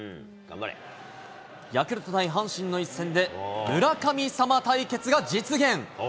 ヤクルト対阪神の一戦で、村神様対決が実現。